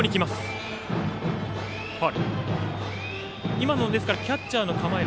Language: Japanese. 今のキャッチャーの構え。